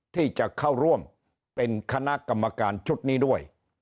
ที่จะเข้าร่วมเป็นคณะกรรมการชุดนี้ด้วย